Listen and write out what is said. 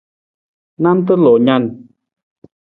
Nanta loo nan.